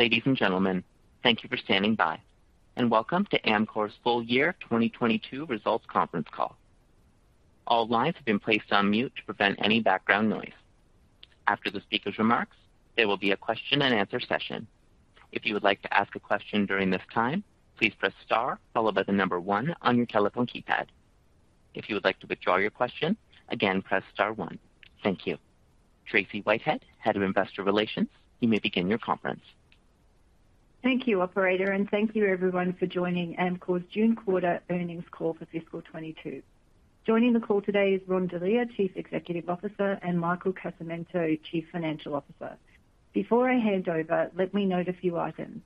Ladies and gentlemen, thank you for standing by, and welcome to Amcor's Full Year 2022 Results Conference Call. All lines have been placed on mute to prevent any background noise. After the speaker's remarks, there will be a question-and-answer session. If you would like to ask a question during this time, please press star followed by the number one on your telephone keypad. If you would like to withdraw your question, again, press star one. Thank you. Tracey Whitehead, Head of Investor Relations, you may begin your conference. Thank you, operator, and thank you everyone for joining Amcor's June quarter earnings call for fiscal 2022. Joining the call today is Ron Delia, Chief Executive Officer, and Michael Casamento, Chief Financial Officer. Before I hand over, let me note a few items.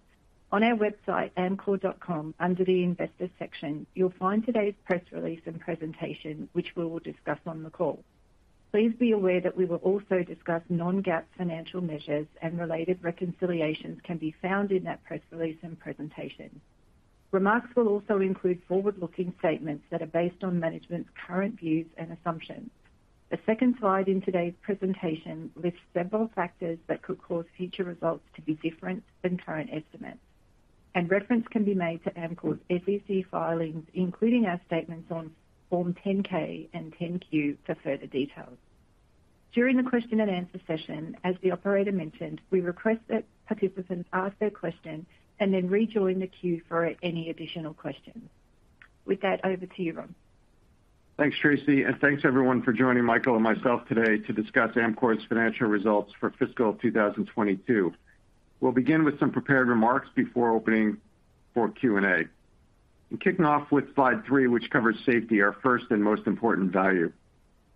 On our website, amcor.com, under the Investors section, you'll find today's press release and presentation, which we will discuss on the call. Please be aware that we will also discuss non-GAAP financial measures, and related reconciliations can be found in that press release and presentation. Remarks will also include forward-looking statements that are based on management's current views and assumptions. The second slide in today's presentation lists several factors that could cause future results to be different than current estimates, and reference can be made to Amcor's SEC filings, including our statements on Form 10-K and 10-Q for further details. During the question-and-answer session, as the operator mentioned, we request that participants ask their question and then rejoin the queue for any additional questions. With that, over to you, Ron. Thanks, Tracy, and thanks everyone for joining Michael and myself today to discuss Amcor's financial results for fiscal 2022. We'll begin with some prepared remarks before opening for Q&A. I'm kicking off with slide three, which covers safety, our first and most important value.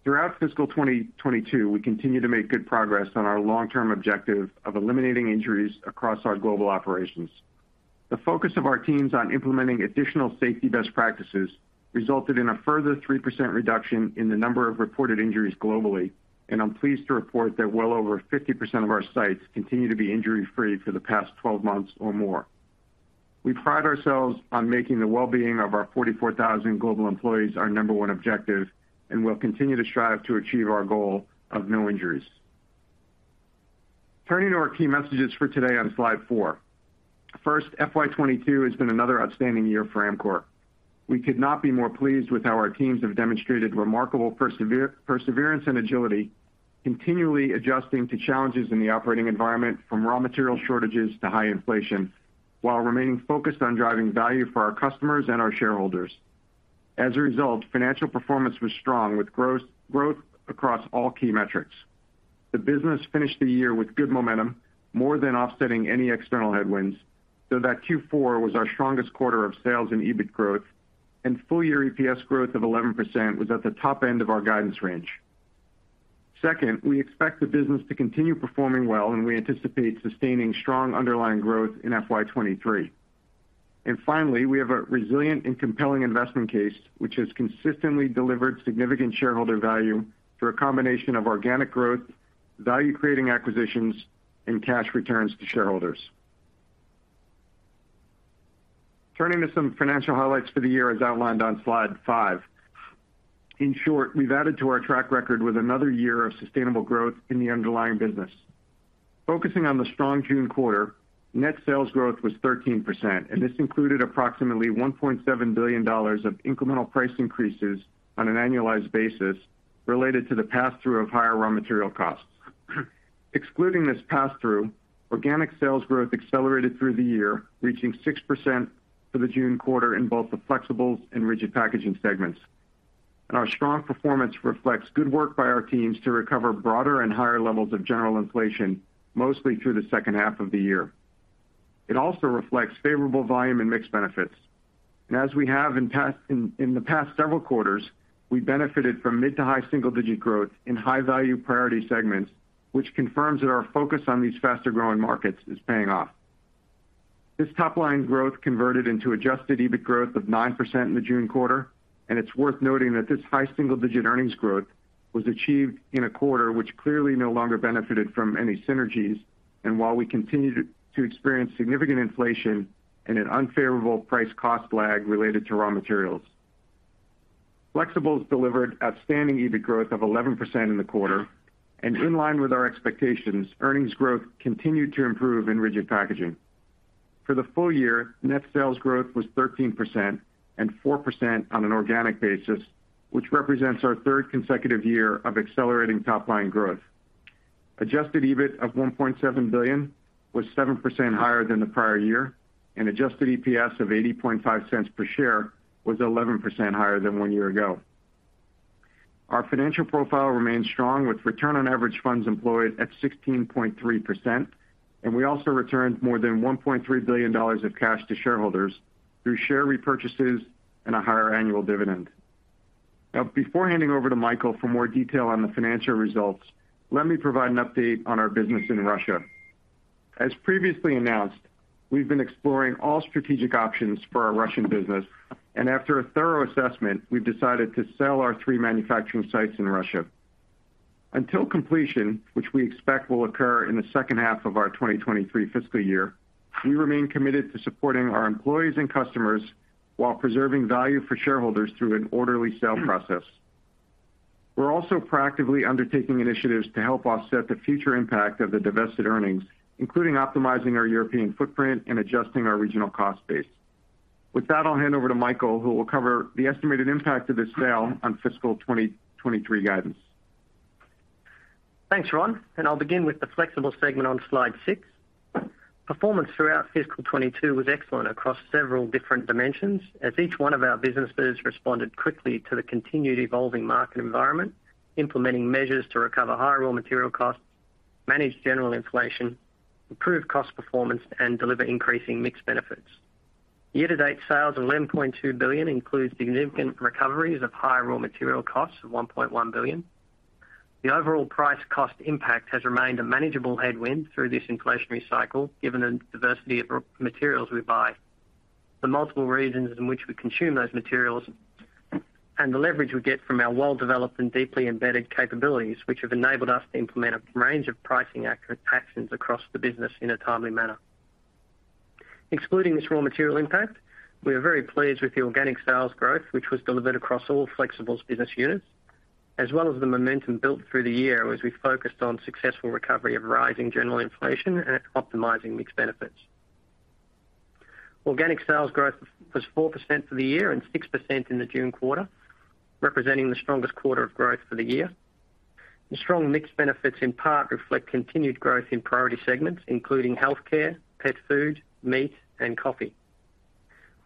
Throughout fiscal 2022, we continued to make good progress on our long-term objective of eliminating injuries across our global operations. The focus of our teams on implementing additional safety best practices resulted in a further 3% reduction in the number of reported injuries globally, and I'm pleased to report that well over 50% of our sites continue to be injury-free for the past 12 months or more. We pride ourselves on making the well-being of our 44,000 global employees our number one objective, and we'll continue to strive to achieve our goal of no injuries. Turning to our key messages for today on slide four. First, FY 2022 has been another outstanding year for Amcor. We could not be more pleased with how our teams have demonstrated remarkable perseverance and agility, continually adjusting to challenges in the operating environment from raw material shortages to high inflation, while remaining focused on driving value for our customers and our shareholders. As a result, financial performance was strong with growth across all key metrics. The business finished the year with good momentum, more than offsetting any external headwinds, so that Q4 was our strongest quarter of sales and EBIT growth, and full-year EPS growth of 11% was at the top end of our guidance range. Second, we expect the business to continue performing well, and we anticipate sustaining strong underlying growth in FY 2023. Finally, we have a resilient and compelling investment case, which has consistently delivered significant shareholder value through a combination of organic growth, value-creating acquisitions, and cash returns to shareholders. Turning to some financial highlights for the year as outlined on slide five. In short, we've added to our track record with another year of sustainable growth in the underlying business. Focusing on the strong June quarter, net sales growth was 13%, and this included approximately $1.7 billion of incremental price increases on an annualized basis related to the pass-through of higher raw material costs. Excluding this pass-through, organic sales growth accelerated through the year, reaching 6% for the June quarter in both the flexibles and rigid packaging segments. Our strong performance reflects good work by our teams to recover broader and higher levels of general inflation, mostly through the second half of the year. It also reflects favorable volume and mix benefits. As we have in the past several quarters, we benefited from mid- to high single-digit growth in high-value priority segments, which confirms that our focus on these faster-growing markets is paying off. This top-line growth converted into adjusted EBIT growth of 9% in the June quarter, and it's worth noting that this high single-digit earnings growth was achieved in a quarter which clearly no longer benefited from any synergies and while we continued to experience significant inflation and an unfavorable price cost lag related to raw materials. Flexibles delivered outstanding EBIT growth of 11% in the quarter. In line with our expectations, earnings growth continued to improve in rigid packaging. For the full year, net sales growth was 13% and 4% on an organic basis, which represents our third consecutive year of accelerating top-line growth. Adjusted EBIT of $1.7 billion was 7% higher than the prior year, and adjusted EPS of $0.805 per share was 11% higher than one year ago. Our financial profile remains strong with return on average funds employed at 16.3%, and we also returned more than $1.3 billion of cash to shareholders through share repurchases and a higher annual dividend. Now before handing over to Michael for more detail on the financial results, let me provide an update on our business in Russia. As previously announced, we've been exploring all strategic options for our Russian business. After a thorough assessment, we've decided to sell our three manufacturing sites in Russia. Until completion, which we expect will occur in the second half of our 2023 fiscal year, we remain committed to supporting our employees and customers while preserving value for shareholders through an orderly sale process. We're also proactively undertaking initiatives to help offset the future impact of the divested earnings, including optimizing our European footprint and adjusting our regional cost base. With that, I'll hand over to Michael, who will cover the estimated impact of this sale on fiscal 2023 guidance. Thanks, Ron. I'll begin with the Flexible segment on slide six. Performance throughout fiscal 2022 was excellent across several different dimensions as each one of our businesses responded quickly to the continued evolving market environment, implementing measures to recover higher raw material costs, manage general inflation, improve cost performance, and deliver increasing mix benefits. Year-to-date sales of $11.2 billion includes significant recoveries of higher raw material costs of $1.1 billion. The overall price cost impact has remained a manageable headwind through this inflationary cycle, given the diversity of raw materials we buy, the multiple regions in which we consume those materials, and the leverage we get from our well-developed and deeply embedded capabilities, which have enabled us to implement a range of pricing actions across the business in a timely manner. Excluding this raw material impact, we are very pleased with the organic sales growth, which was delivered across all Flexibles business units, as well as the momentum built through the year as we focused on successful recovery of rising general inflation and optimizing mix benefits. Organic sales growth was 4% for the year and 6% in the June quarter, representing the strongest quarter of growth for the year. The strong mix benefits in part reflect continued growth in priority segments including healthcare, pet food, meat, and coffee.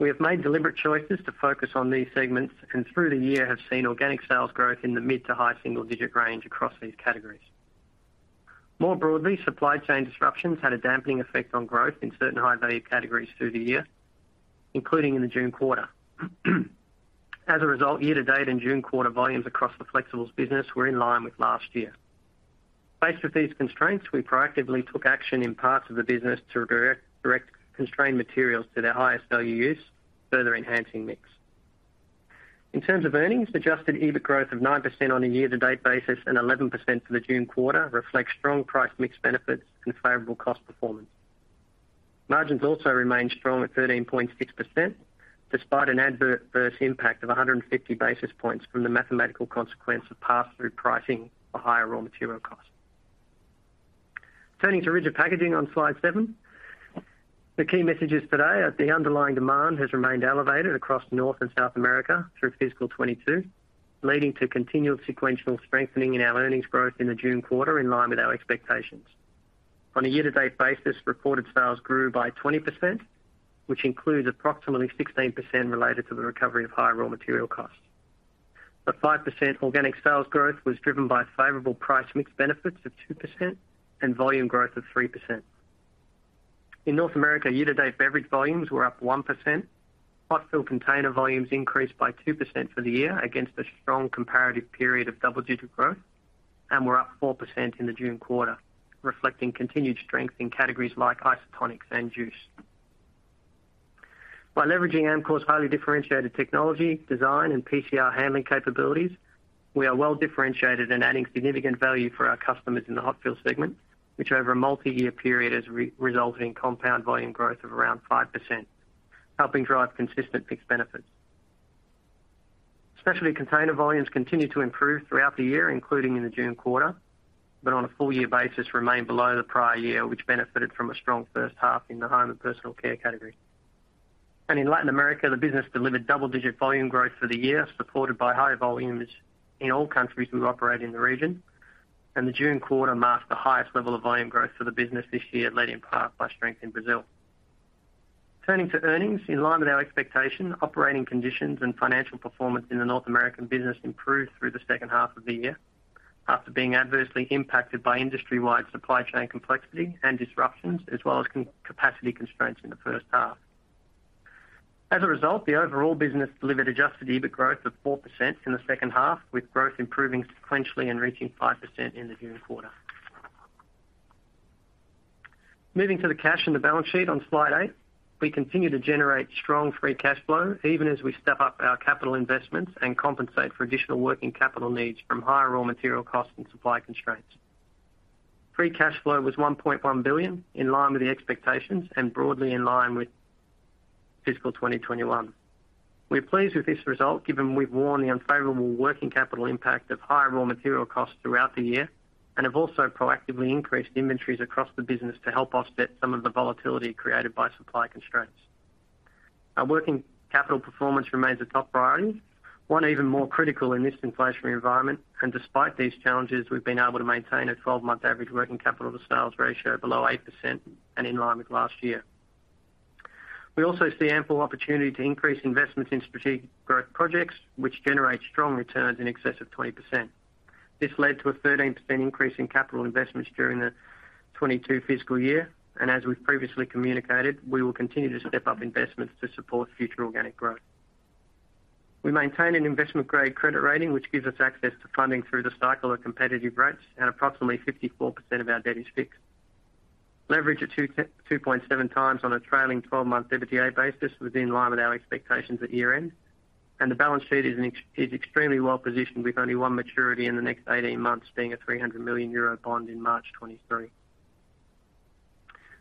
We have made deliberate choices to focus on these segments and through the year have seen organic sales growth in the mid to high single digit range across these categories. More broadly, supply chain disruptions had a damping effect on growth in certain high value categories through the year, including in the June quarter. As a result, year to date and June quarter volumes across the Flexibles business were in line with last year. Faced with these constraints, we proactively took action in parts of the business to direct constrained materials to their highest value use, further enhancing mix. In terms of earnings, adjusted EBIT growth of 9% on a year to date basis and 11% for the June quarter reflect strong price mix benefits and favorable cost performance. Margins also remain strong at 13.6%, despite an adverse impact of 150 basis points from the mathematical consequence of pass-through pricing for higher raw material costs. Turning to Rigid Packaging on slide seven. The key messages today are the underlying demand has remained elevated across North and South America through fiscal 2022, leading to continued sequential strengthening in our earnings growth in the June quarter in line with our expectations. On a year-to-date basis, reported sales grew by 20%, which includes approximately 16% related to the recovery of higher raw material costs. The 5% organic sales growth was driven by favorable price mix benefits of 2% and volume growth of 3%. In North America, year-to-date beverage volumes were up 1%. Hot fill container volumes increased by 2% for the year against a strong comparative period of double-digit growth, and were up 4% in the June quarter, reflecting continued strength in categories like isotonics and juice. By leveraging Amcor's highly differentiated technology, design, and PCR handling capabilities, we are well differentiated and adding significant value for our customers in the hot fill segment, which over a multi-year period has resulted in compound volume growth of around 5%, helping drive consistent fixed benefits. Specialty container volumes continue to improve throughout the year, including in the June quarter, but on a full year basis remain below the prior year, which benefited from a strong first half in the home and personal care category. In Latin America, the business delivered double-digit volume growth for the year, supported by higher volumes in all countries we operate in the region. The June quarter marked the highest level of volume growth for the business this year, led in part by strength in Brazil. Turning to earnings. In line with our expectation, operating conditions and financial performance in the North American business improved through the second half of the year after being adversely impacted by industry-wide supply chain complexity and disruptions, as well as capacity constraints in the first half. As a result, the overall business delivered adjusted EBIT growth of 4% in the second half, with growth improving sequentially and reaching 5% in the June quarter. Moving to the cash and the balance sheet on slide eight. We continue to generate strong free cash flow even as we step up our capital investments and compensate for additional working capital needs from higher raw material costs and supply constraints. Free cash flow was $1.1 billion, in line with the expectations and broadly in line with fiscal 2021. We are pleased with this result, given we've warned of the unfavorable working capital impact of higher raw material costs throughout the year and have also proactively increased inventories across the business to help offset some of the volatility created by supply constraints. Our working capital performance remains a top priority, one even more critical in this inflationary environment. Despite these challenges, we've been able to maintain a 12-month average working capital to sales ratio below 8% and in line with last year. We also see ample opportunity to increase investments in strategic growth projects, which generate strong returns in excess of 20%. This led to a 13% increase in capital investments during the 2022 fiscal year. As we've previously communicated, we will continue to step up investments to support future organic growth. We maintain an investment-grade credit rating, which gives us access to funding through the cycle of competitive rates, and approximately 54% of our debt is fixed. Leverage at 2.7 times on a trailing twelve-month EBITDA basis was in line with our expectations at year-end, and the balance sheet is extremely well positioned, with only one maturity in the next eighteen months being a 300 million euro bond in March 2023.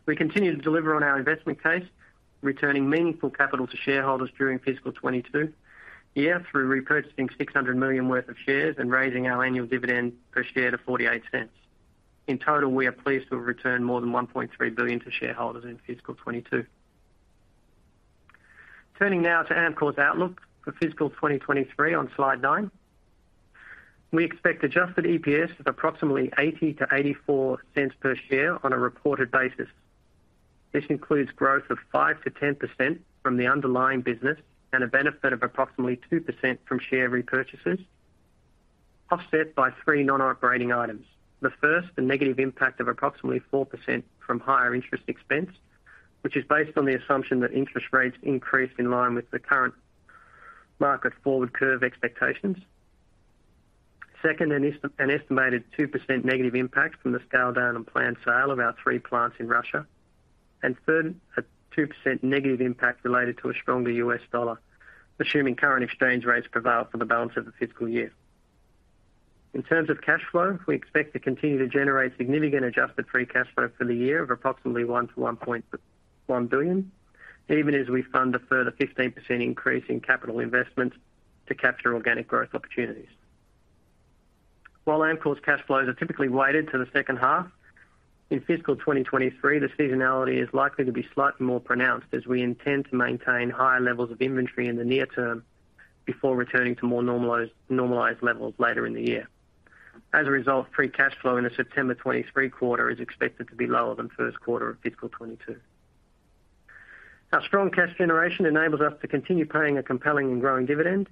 We continue to deliver on our investment case, returning meaningful capital to shareholders during fiscal 2022 through repurchasing $600 million worth of shares and raising our annual dividend per share to $0.48. In total, we are pleased to have returned more than $1.3 billion to shareholders in fiscal 2022. Turning now to Amcor's outlook for fiscal 2023 on slide nine. We expect adjusted EPS of approximately $0.80-$0.84 per share on a reported basis. This includes growth of 5%-10% from the underlying business and a benefit of approximately 2% from share repurchases, offset by three non-operating items. The first, the negative impact of approximately 4% from higher interest expense, which is based on the assumption that interest rates increase in line with the current market forward curve expectations. Second, an estimated 2% negative impact from the scale down and planned sale of our three plants in Russia. Third, a 2% negative impact related to a stronger U.S. dollar, assuming current exchange rates prevail for the balance of the fiscal year. In terms of cash flow, we expect to continue to generate significant adjusted free cash flow for the year of approximately $1 billion-$1.1 billion, even as we fund a further 15% increase in capital investments to capture organic growth opportunities. While Amcor's cash flows are typically weighted to the second half, in fiscal 2023, the seasonality is likely to be slightly more pronounced as we intend to maintain higher levels of inventory in the near term before returning to more normalized levels later in the year. As a result, free cash flow in the September 2023 quarter is expected to be lower than first quarter of fiscal 2022. Our strong cash generation enables us to continue paying a compelling and growing dividend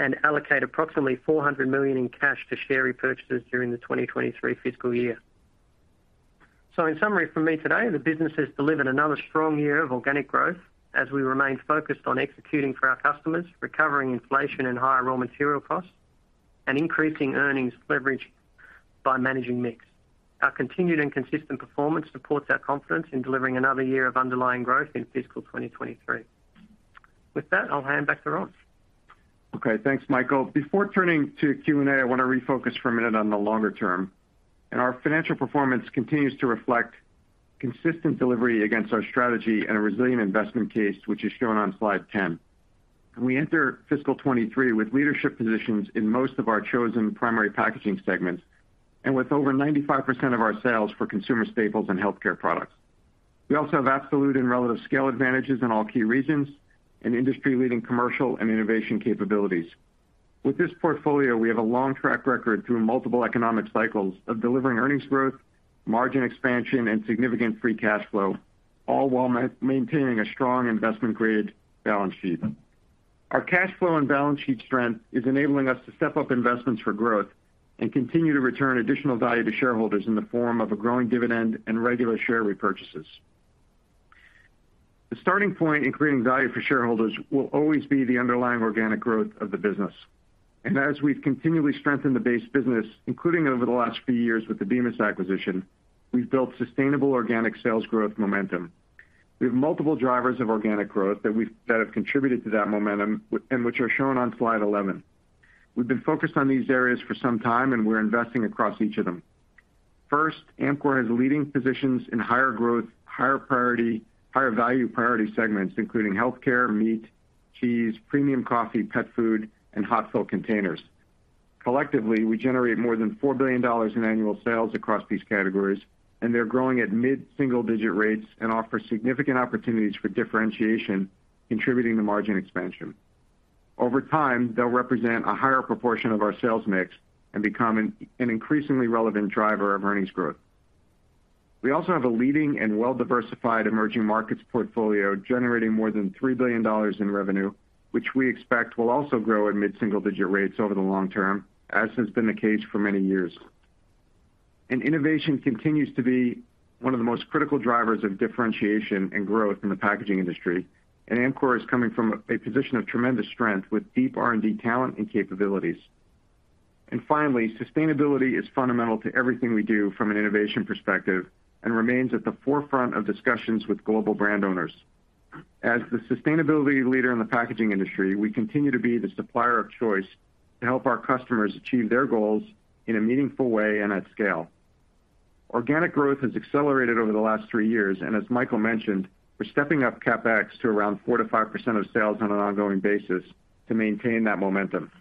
and allocate approximately $400 million in cash to share repurchases during the 2023 fiscal year. In summary from me today, the business has delivered another strong year of organic growth as we remain focused on executing for our customers, recovering inflation and higher raw material costs, and increasing earnings leverage by managing mix. Our continued and consistent performance supports our confidence in delivering another year of underlying growth in fiscal 2023. With that, I'll hand back to Ron. Okay, thanks, Michael. Before turning to Q&A, I want to refocus for a minute on the longer term. Our financial performance continues to reflect consistent delivery against our strategy and a resilient investment case, which is shown on slide 10. We enter fiscal 2023 with leadership positions in most of our chosen primary packaging segments and with over 95% of our sales for consumer staples and healthcare products. We also have absolute and relative scale advantages in all key regions and industry-leading commercial and innovation capabilities. With this portfolio, we have a long track record through multiple economic cycles of delivering earnings growth, margin expansion, and significant free cash flow, all while maintaining a strong investment-grade balance sheet. Our cash flow and balance sheet strength is enabling us to step up investments for growth and continue to return additional value to shareholders in the form of a growing dividend and regular share repurchases. The starting point in creating value for shareholders will always be the underlying organic growth of the business. As we've continually strengthened the base business, including over the last few years with the Bemis acquisition, we've built sustainable organic sales growth momentum. We have multiple drivers of organic growth that have contributed to that momentum and which are shown on slide 11. We've been focused on these areas for some time, and we're investing across each of them. First, Amcor has leading positions in higher growth, higher priority, higher value priority segments, including healthcare, meat, cheese, premium coffee, pet food, and hot fill containers. Collectively, we generate more than $4 billion in annual sales across these categories, and they're growing at mid-single digit rates and offer significant opportunities for differentiation, contributing to margin expansion. Over time, they'll represent a higher proportion of our sales mix and become an increasingly relevant driver of earnings growth. We also have a leading and well-diversified emerging markets portfolio generating more than $3 billion in revenue, which we expect will also grow at mid-single digit rates over the long term, as has been the case for many years. Innovation continues to be one of the most critical drivers of differentiation and growth in the packaging industry, and Amcor is coming from a position of tremendous strength with deep R&D talent and capabilities. Finally, sustainability is fundamental to everything we do from an innovation perspective and remains at the forefront of discussions with global brand owners. As the sustainability leader in the packaging industry, we continue to be the supplier of choice to help our customers achieve their goals in a meaningful way and at scale. Organic growth has accelerated over the last three years, and as Michael mentioned, we're stepping up CapEx to around 4%-5% of sales on an ongoing basis to maintain that momentum.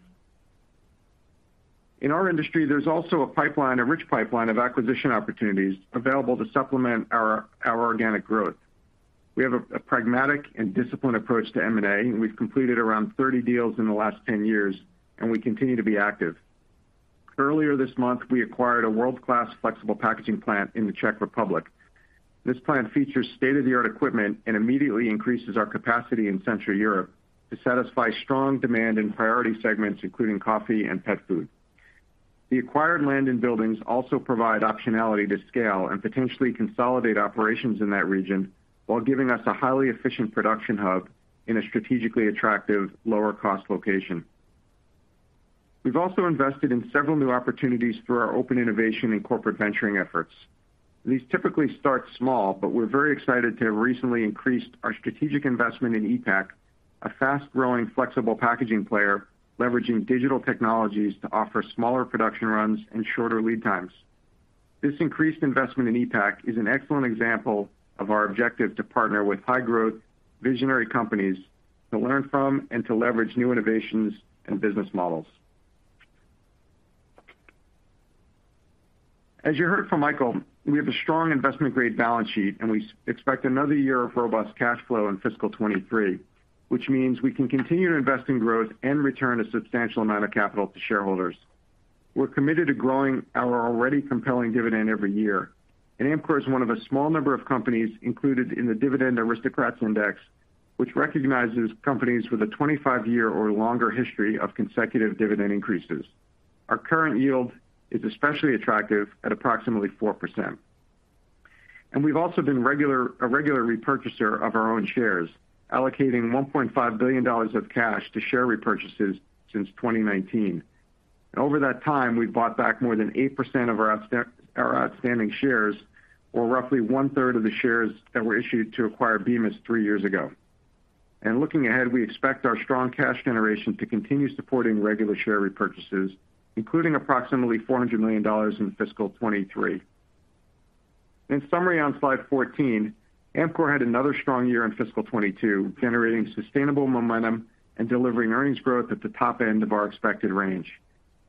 In our industry, there's also a pipeline, a rich pipeline of acquisition opportunities available to supplement our organic growth. We have a pragmatic and disciplined approach to M&A, and we've completed around 30 deals in the last 10 years, and we continue to be active. Earlier this month, we acquired a world-class flexible packaging plant in the Czech Republic. This plant features state-of-the-art equipment and immediately increases our capacity in Central Europe to satisfy strong demand in priority segments, including coffee and pet food. The acquired land and buildings also provide optionality to scale and potentially consolidate operations in that region while giving us a highly efficient production hub in a strategically attractive lower cost location. We've also invested in several new opportunities through our open innovation and corporate venturing efforts. These typically start small, but we're very excited to have recently increased our strategic investment in ePac. A fast-growing flexible packaging player leveraging digital technologies to offer smaller production runs and shorter lead times. This increased investment in ePac is an excellent example of our objective to partner with high growth, visionary companies to learn from and to leverage new innovations and business models. As you heard from Michael, we have a strong investment-grade balance sheet, and we expect another year of robust cash flow in fiscal 2023, which means we can continue to invest in growth and return a substantial amount of capital to shareholders. We're committed to growing our already compelling dividend every year, and Amcor is one of a small number of companies included in the Dividend Aristocrats Index, which recognizes companies with a 25-year or longer history of consecutive dividend increases. Our current yield is especially attractive at approximately 4%. We've also been a regular repurchaser of our own shares, allocating $1.5 billion of cash to share repurchases since 2019. Over that time, we've bought back more than 8% of our outstanding shares, or roughly one-third of the shares that were issued to acquire Bemis three years ago. Looking ahead, we expect our strong cash generation to continue supporting regular share repurchases, including approximately $400 million in fiscal 2023. In summary, on slide 14, Amcor had another strong year in fiscal 2022, generating sustainable momentum and delivering earnings growth at the top end of our expected range.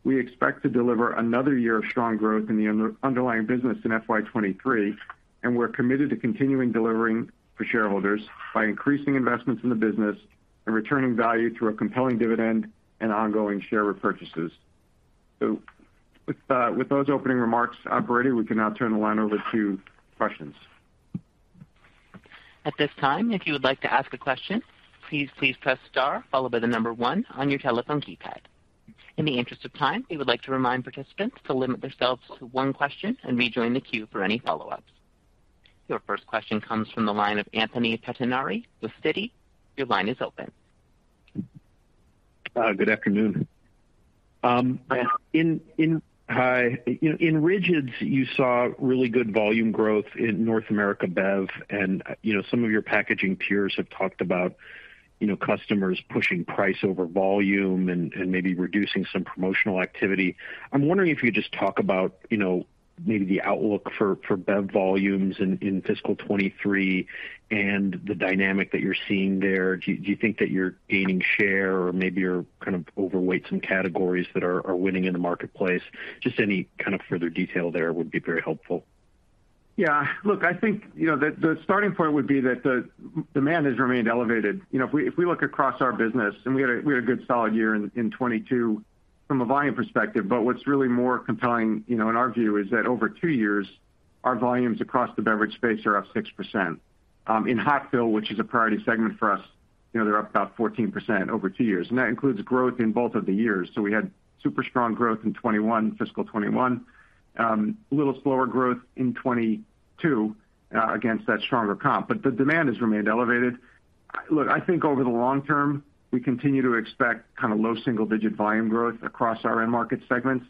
We expect to deliver another year of strong growth in the underlying business in FY 2023, and we're committed to continuing delivering for shareholders by increasing investments in the business and returning value through a compelling dividend and ongoing share repurchases. With those opening remarks, operator, we can now turn the line over to questions. At this time, if you would like to ask a question, please press star followed by the number one on your telephone keypad. In the interest of time, we would like to remind participants to limit themselves to one question and rejoin the queue for any follow-ups. Your first question comes from the line of Anthony Pettinari with Citi. Your line is open. Good afternoon. Hi. In rigids, you saw really good volume growth in North America Bev, and, you know, some of your packaging peers have talked about, you know, customers pushing price over volume and maybe reducing some promotional activity. I'm wondering if you could just talk about, you know, maybe the outlook for Bev volumes in fiscal 2023 and the dynamic that you're seeing there. Do you think that you're gaining share or maybe you're kind of overweight some categories that are winning in the marketplace? Just any kind of further detail there would be very helpful. Yeah. Look, I think, you know, the starting point would be that the demand has remained elevated. You know, if we look across our business, and we had a good solid year in 2022 from a volume perspective. What's really more compelling, you know, in our view, is that over two years, our volumes across the beverage space are up 6%. In hot fill, which is a priority segment for us, you know, they're up about 14% over two years, and that includes growth in both of the years. We had super strong growth in 2021, fiscal 2021. A little slower growth in 2022 against that stronger comp. The demand has remained elevated. Look, I think over the long term, we continue to expect kind of low single-digit volume growth across our end market segments.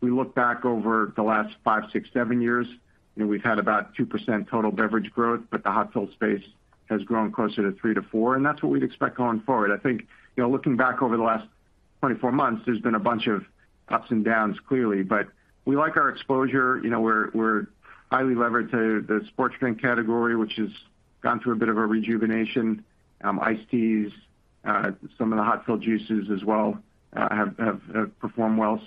We look back over the last five, six, seven years, you know, we've had about 2% total beverage growth, but the hot fill space has grown closer to 3%-4%, and that's what we'd expect going forward. I think, you know, looking back over the last 24 months, there's been a bunch of ups and downs, clearly. We like our exposure. You know, we're highly levered to the sports drink category, which has gone through a bit of a rejuvenation. Iced teas, some of the hot fill juices as well, have performed well.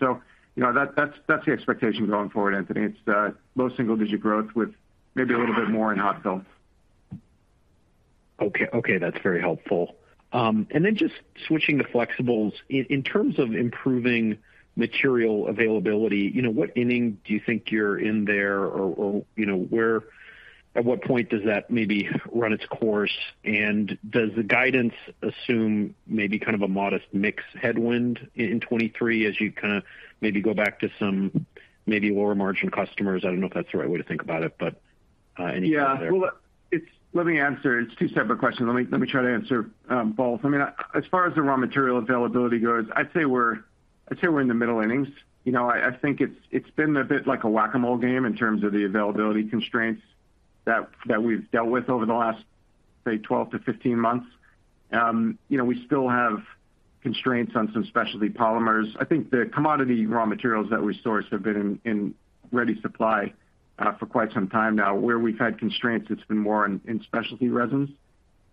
You know, that's the expectation going forward, Anthony. It's low single-digit growth with maybe a little bit more in hot fill. Okay, okay, that's very helpful. Just switching to flexibles. In terms of improving material availability, you know, what inning do you think you're in there? Or you know, where at what point does that maybe run its course? Does the guidance assume maybe kind of a modest mix headwind in 2023 as you kinda maybe go back to some maybe lower margin customers? I don't know if that's the right way to think about it, but any thought there. Yeah. Well, it's let me answer. It's two separate questions. Let me try to answer both. I mean, as far as the raw material availability goes, I'd say we're in the middle innings. You know, I think it's been a bit like a whack-a-mole game in terms of the availability constraints that we've dealt with over the last, say, 12-15 months. You know, we still have constraints on some specialty polymers. I think the commodity raw materials that we source have been in ready supply for quite some time now. Where we've had constraints, it's been more in specialty resins.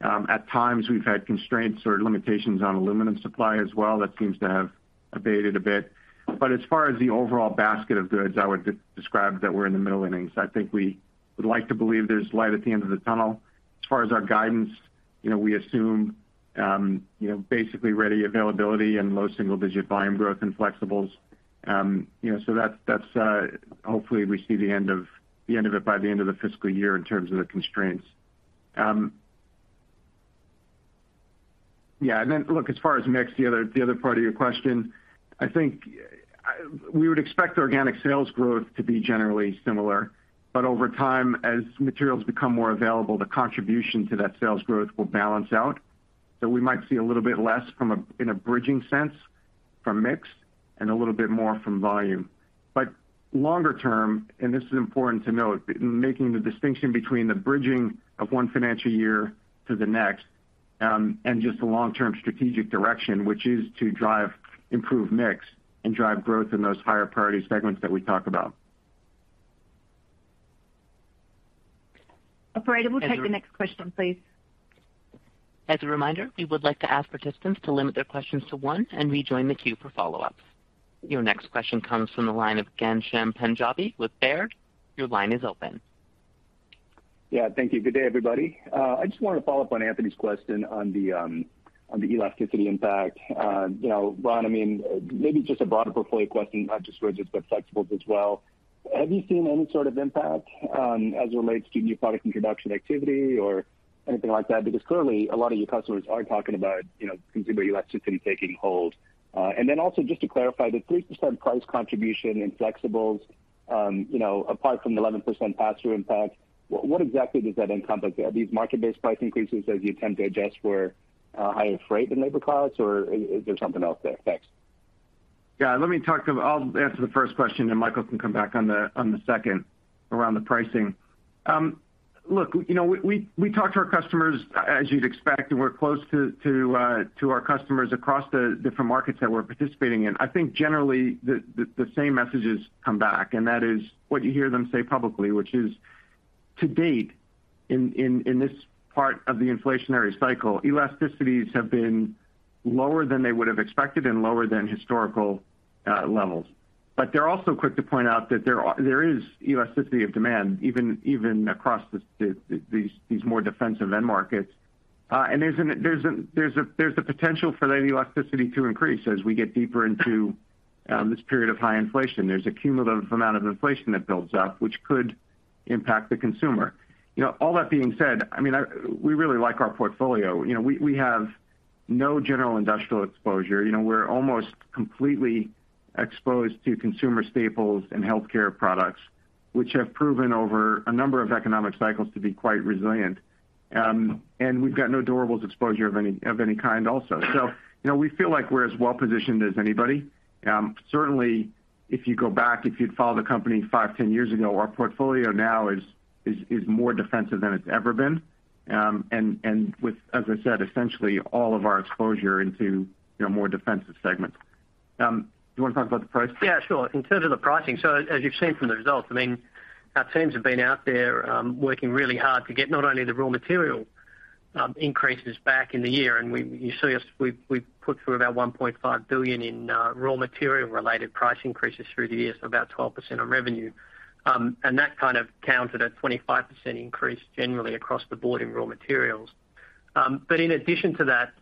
At times, we've had constraints or limitations on aluminum supply as well. That seems to have abated a bit. As far as the overall basket of goods, I would describe that we're in the middle innings. I think we would like to believe there's light at the end of the tunnel. As far as our guidance, you know, we assume, you know, basically ready availability and low single-digit volume growth in flexibles. So that's hopefully we see the end of it by the end of the fiscal year in terms of the constraints. Yeah. Then, look, as far as mix, the other part of your question, I think we would expect organic sales growth to be generally similar. Over time, as materials become more available, the contribution to that sales growth will balance out. We might see a little bit less in a bridging sense from mix and a little bit more from volume. Longer term, and this is important to note, in making the distinction between the bridging of one financial year to the next, and just the long-term strategic direction, which is to drive improved mix and drive growth in those higher priority segments that we talk about. Operator, we'll take the next question, please. As a reminder, we would like to ask participants to limit their questions to one and rejoin the queue for follow-up. Your next question comes from the line of Ghansham Panjabi with Baird. Your line is open. Yeah, thank you. Good day, everybody. I just want to follow up on Anthony's question on the elasticity impact. You know, Ron, I mean, maybe just a broader portfolio question, not just rigids but flexibles as well. Have you seen any sort of impact as it relates to new product introduction activity or anything like that? Because clearly a lot of your customers are talking about, you know, consumer elasticity taking hold. And then also just to clarify, the 3% price contribution in flexibles, you know, apart from 11% pass-through impact, what exactly does that encompass? Are these market-based price increases as you attempt to adjust for higher freight and labor costs, or is there something else there? Thanks. Yeah. I'll answer the first question, then Michael can come back on the second around the pricing. Look, you know, we talk to our customers as you'd expect, and we're close to our customers across the different markets that we're participating in. I think generally the same messages come back, and that is what you hear them say publicly, which is to date, in this part of the inflationary cycle, elasticities have been lower than they would have expected and lower than historical levels. They're also quick to point out that there is elasticity of demand even across these more defensive end markets. There's a potential for that elasticity to increase as we get deeper into this period of high inflation. There's a cumulative amount of inflation that builds up, which could impact the consumer. You know, all that being said, I mean, we really like our portfolio. You know, we have no general industrial exposure. You know, we're almost completely exposed to consumer staples and healthcare products, which have proven over a number of economic cycles to be quite resilient. We've got no durables exposure of any kind also. So, you know, we feel like we're as well positioned as anybody. Certainly if you go back, if you'd followed the company five, 10 years ago, our portfolio now is more defensive than it's ever been. With, as I said, essentially all of our exposure into, you know, more defensive segments. Do you wanna talk about the price? Yeah, sure. In terms of the pricing, as you've seen from the results, I mean, our teams have been out there, working really hard to get not only the raw material increases back in the year, you see us, we've put through about $1.5 billion in raw material related price increases through the year, so about 12% of revenue. That kind of countered a 25% increase generally across the board in raw materials. In addition to that,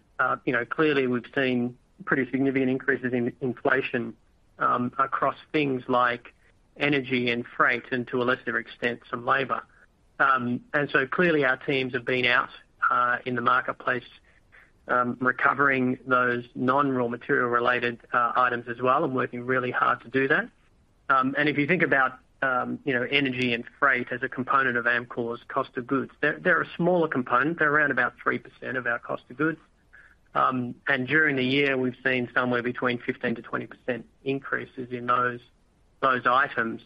you know, clearly we've seen pretty significant increases in inflation across things like energy and freight and to a lesser extent, some labor. Clearly our teams have been out in the marketplace, recovering those non-raw material related items as well and working really hard to do that. If you think about, you know, energy and freight as a component of Amcor's cost of goods, they're a smaller component. They're around about 3% of our cost of goods. During the year, we've seen somewhere between 15%-20% increases in those items.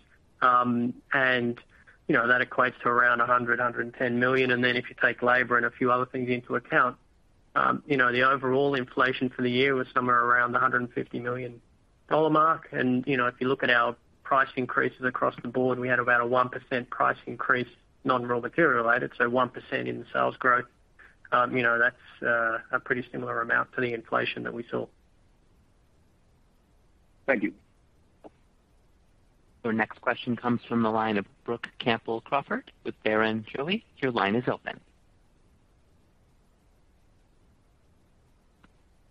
You know, that equates to around $110 million. Then if you take labor and a few other things into account, you know, the overall inflation for the year was somewhere around the $150 million mark. You know, if you look at our price increases across the board, we had about a 1% price increase, non-raw material related. One percent in sales growth, you know, that's a pretty similar amount to the inflation that we saw. Thank you. Your next question comes from the line of Brook Campbell-Crawford with Barrenjoey. Your line is open.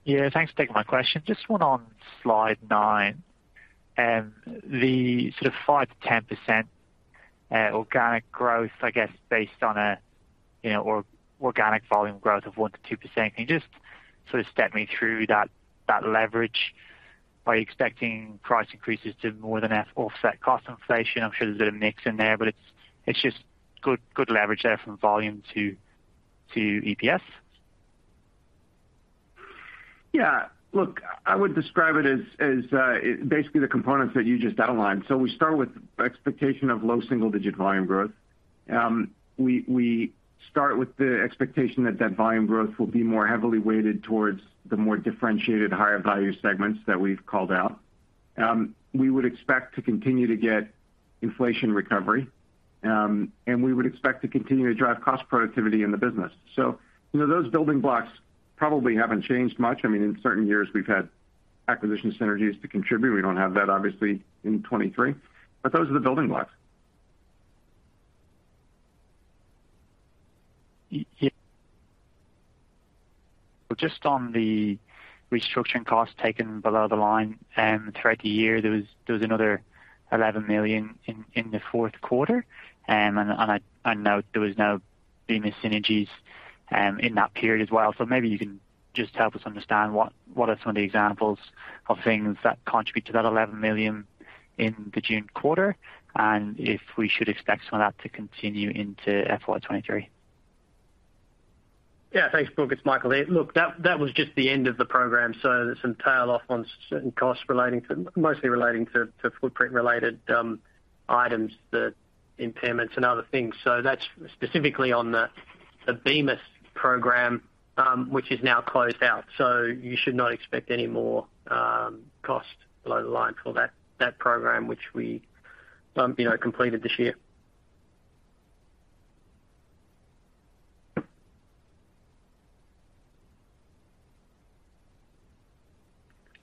Yeah, thanks for taking my question. Just one on slide nine. The sort of 5%-10%, organic growth, I guess, based on a, you know, organic volume growth of 1%-2%. Can you just sort of step me through that leverage by expecting price increases to more than offset cost inflation? I'm sure there's a bit of mix in there, but it's just good leverage there from volume to EPS. Yeah. Look, I would describe it as basically the components that you just outlined. We start with expectation of low single-digit volume growth. We start with the expectation that volume growth will be more heavily weighted towards the more differentiated higher value segments that we've called out. We would expect to continue to get inflation recovery, and we would expect to continue to drive cost productivity in the business. You know, those building blocks probably haven't changed much. I mean, in certain years, we've had acquisition synergies to contribute. We don't have that obviously in 2023, but those are the building blocks. Yeah. Well, just on the restructuring costs taken below the line, throughout the year, there was another $11 million in the fourth quarter. I know there was no Bemis synergies in that period as well. Maybe you can just help us understand what are some of the examples of things that contribute to that $11 million in the June quarter, and if we should expect some of that to continue into FY 2023. Yeah. Thanks, Brooke. It's Michael here. Look, that was just the end of the program, so there's some tail off on certain costs relating to, mostly relating to footprint related items, the impairments and other things. So that's specifically on the Bemis program, which is now closed out, so you should not expect any more cost below the line for that program which we you know completed this year.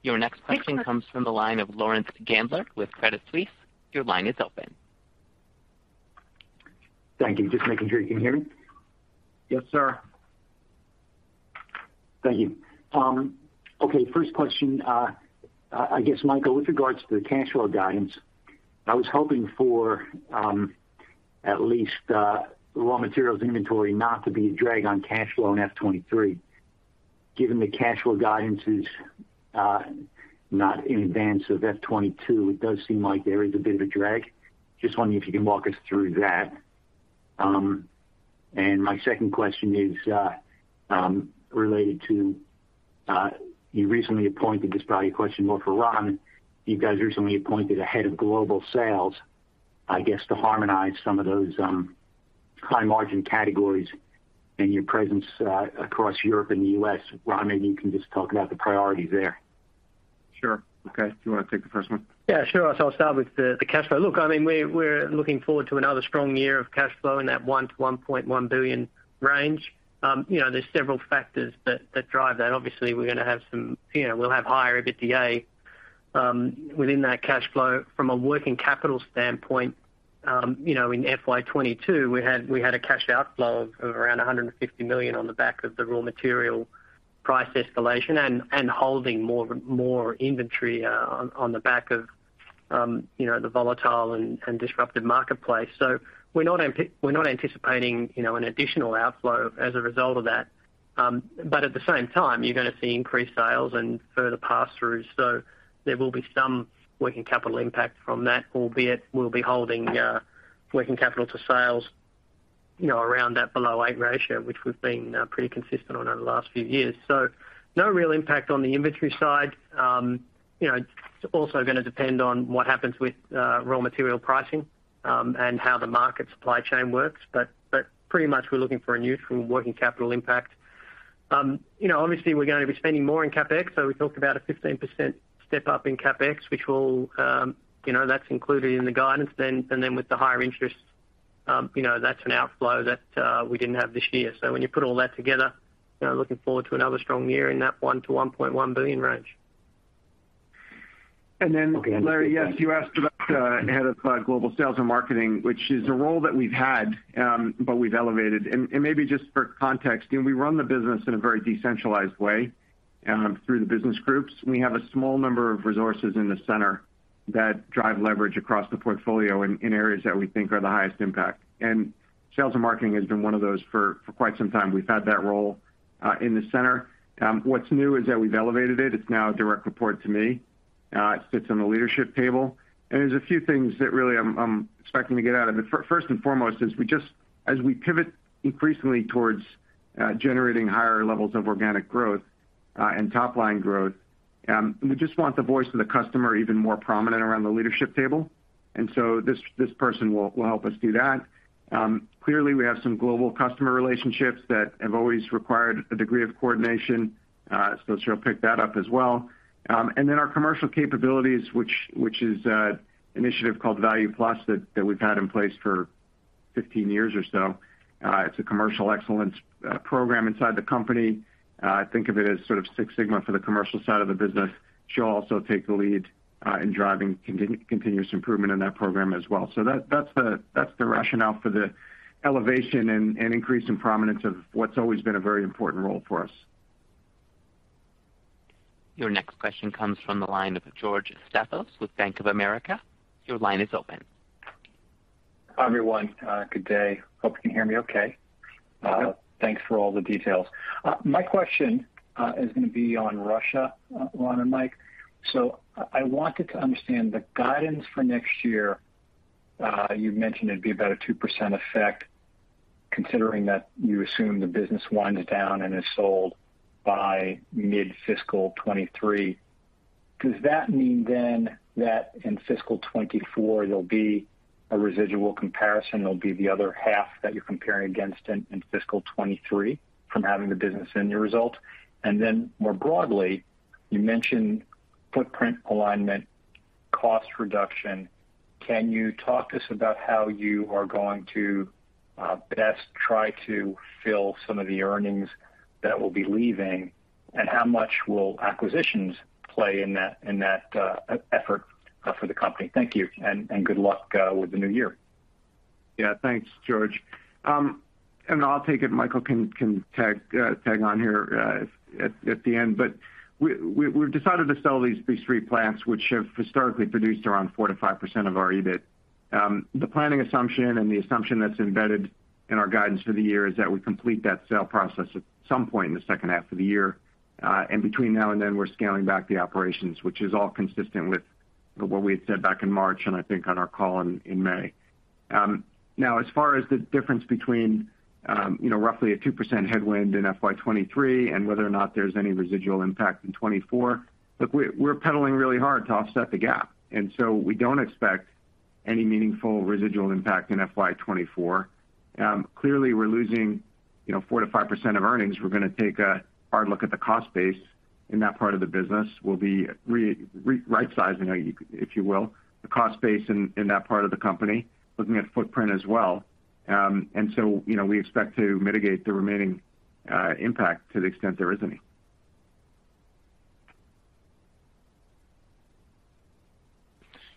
Your next question comes from the line of Laurence Geller with Credit Suisse. Your line is open. Thank you. Just making sure you can hear me. Yes, sir. Okay, first question. I guess, Michael, with regards to the cash flow guidance, I was hoping for at least raw materials inventory not to be a drag on cash flow in FY 2023. Given the cash flow guidance is not in advance of FY 2022, it does seem like there is a bit of a drag. Just wondering if you can walk us through that. My second question is related to you recently appointed a head of global sales, I guess, to harmonize some of those high margin categories and your presence across Europe and the US. Ron, maybe you can just talk about the priorities there. Sure. Okay. Do you wanna take the first one? Yeah, sure. I'll start with the cash flow. Look, I mean, we're looking forward to another strong year of cash flow in that $1-1.1 billion range. You know, there's several factors that drive that. Obviously, we're gonna have higher EBITDA within that cash flow from a working capital standpoint. You know, in FY 2022 we had a cash outflow of around $150 million on the back of the raw material price escalation and holding more inventory on the back of, you know, the volatile and disruptive marketplace. We're not anticipating, you know, an additional outflow as a result of that. At the same time, you're gonna see increased sales and further pass-throughs, so there will be some working capital impact from that, albeit we'll be holding working capital to sales, you know, around that below 8% ratio, which we've been pretty consistent on over the last few years. No real impact on the inventory side. You know, it's also gonna depend on what happens with raw material pricing and how the market supply chain works. Pretty much we're looking for a neutral working capital impact. You know, obviously we're gonna be spending more in CapEx, so we talked about a 15% step up in CapEx, which will, you know, that's included in the guidance then. With the higher interest, you know, that's an outflow that we didn't have this year. When you put all that together, you know, looking forward to another strong year in that $1 billion-$1.1 billion range. Then, Larry, yes, you asked about head of global sales and marketing, which is a role that we've had, but we've elevated. Maybe just for context, you know, we run the business in a very decentralized way through the business groups. We have a small number of resources in the center that drive leverage across the portfolio in areas that we think are the highest impact. Sales and marketing has been one of those for quite some time. We've had that role in the center. What's new is that we've elevated it. It's now a direct report to me. It sits on the leadership table, and there's a few things that really I'm expecting to get out of it. First and foremost is we just as we pivot increasingly towards generating higher levels of organic growth and top line growth, we just want the voice of the customer even more prominent around the leadership table. This person will help us do that. Clearly, we have some global customer relationships that have always required a degree of coordination. She'll pick that up as well. Our commercial capabilities, which is an initiative called Value Plus that we've had in place for 15 years or so. It's a commercial excellence program inside the company. Think of it as sort of Six Sigma for the commercial side of the business. She'll also take the lead in driving continuous improvement in that program as well. That's the rationale for the elevation and increase in prominence of what's always been a very important role for us. Your next question comes from the line of George Staphos with Bank of America. Your line is open. Hi, everyone. Good day. Hope you can hear me okay. We can. Thanks for all the details. My question is gonna be on Russia, Ron and Mike. I wanted to understand the guidance for next year. You've mentioned it'd be about a 2% effect considering that you assume the business winds down and is sold by mid-fiscal 2023. Does that mean then that in fiscal 2024 there'll be a residual comparison, there'll be the other half that you're comparing against in fiscal 2023 from having the business in your result? And then more broadly, you mentioned footprint alignment, cost reduction. Can you talk to us about how you are going to best try to fill some of the earnings that will be leaving, and how much will acquisitions play in that effort for the company? Thank you, and good luck with the new year. Yeah. Thanks, George. I'll take it. Michael can tag on here, if at the end. We've decided to sell these three plants which have historically produced around 4%-5% of our EBIT. The planning assumption and the assumption that's embedded in our guidance for the year is that we complete that sale process at some point in the second half of the year. Between now and then, we're scaling back the operations, which is all consistent with what we had said back in March, and I think on our call in May. Now, as far as the difference between, you know, roughly a 2% headwind in FY 2023 and whether or not there's any residual impact in 2024, look, we're pedaling really hard to offset the gap. We don't expect any meaningful residual impact in FY 2024. Clearly, we're losing, you know, 4%-5% of earnings. We're gonna take a hard look at the cost base in that part of the business. We'll be right-sizing, if you will, the cost base in that part of the company, looking at footprint as well. You know, we expect to mitigate the remaining impact to the extent there is any.